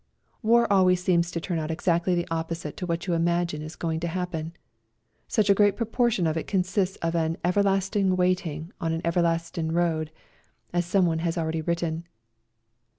War always seems to turn out exactly the opposite to what you imagine is going to happen. Such a great proportion of it consists of "an everlastin' waiting on an everlastin' road," as someone has already written.